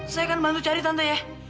saya akan bantu cari tante ya